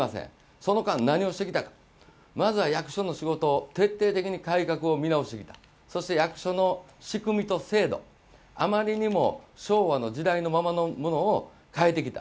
その間何をしてきたか、まずは役所の仕事、徹底的に改革を見直してきたそして役所の仕組みと制度、あまりにも昭和の時代のままのものを変えてきた。